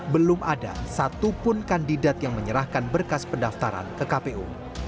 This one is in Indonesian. belum ada satupun kandidat yang menyerahkan berkas pendaftaran ke kpu